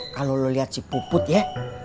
kalo lo liat si puput ya